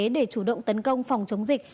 để chủ động tấn công phòng chống dịch